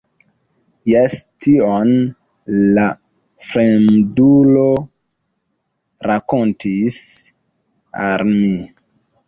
Jes, tion la fremdulo rakontis al mi.